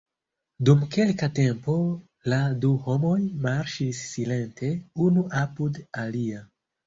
Dum kelka tempo la du homoj marŝis silente unu apud alia.